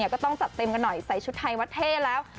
ก็ต้องจัดเต็มกันหน่อยใส่ชุดไทยวัดเท่แล้ว